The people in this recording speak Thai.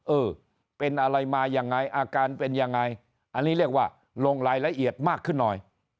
เออเป็นอะไรมายังไงอาการเป็นยังไงอันนี้เรียกว่าลงรายละเอียดมากขึ้นหน่อย